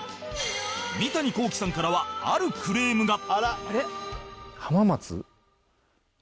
三谷幸喜さんからはあるクレームが